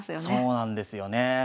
そうなんですよね。